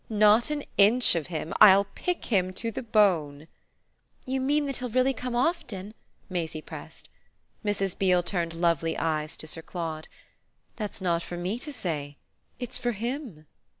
"Not an inch of him! I'll pick him to the bone!" "You mean that he'll really come often?" Maisie pressed. Mrs. Beale turned lovely eyes to Sir Claude. "That's not for me to say its for him."